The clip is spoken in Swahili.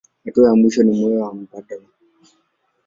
Hatua ya mwisho ni moyo mbadala.